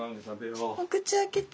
お口開けて。